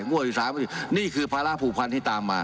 งวดอีก๓นี่คือภาระผูกพันธุ์ที่ตามมา